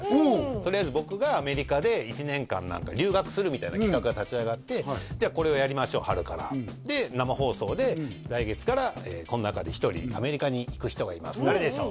とりあえず僕がアメリカで１年間留学するみたいな企画が立ち上がって「じゃあこれをやりましょう春から」で生放送で「来月からこの中で１人」「アメリカに行く人がいます誰でしょう？」